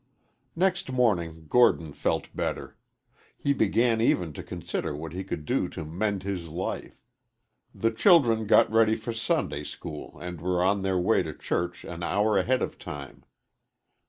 II NEXT morning Gordon felt better. He began even to consider what he could do to mend his life. The children got ready for Sunday school and were on their way to church an hour ahead of time.